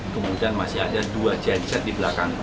kemudian masih ada dua genset di belakang